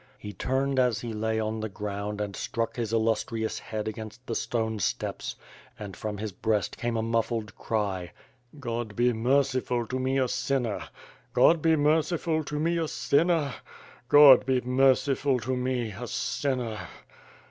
He turned as he lay on the ground and struck his illus trious hea' against the stone steps, and from his breast came a muffled cry: "God be merciful to me a sinner? God be merciful to me a sinner? God be merciful to me a sinner?''